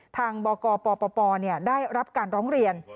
ทางบกปปได้รับการร้องเรียน